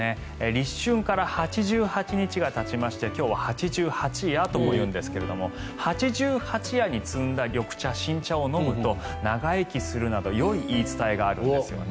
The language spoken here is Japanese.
立春から８８日がたちまして今日は八十八夜ともいうんですが八十八夜に摘んだ緑茶、新茶を飲むと長生きするなどよい言い伝えがあるんですよね。